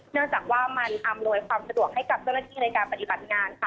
เนื่องจากว่ามันอำนวยความสะดวกให้กับเจ้าหน้าที่ในการปฏิบัติงานค่ะ